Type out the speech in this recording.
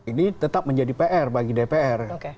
ini tetap menjadi pr bagi dpr